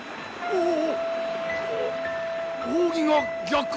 おお。